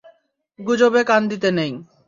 গুজবে কান দিতে নেই।